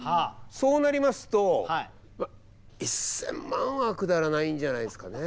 そうなりますと１０００万はくだらないんじゃないですかね。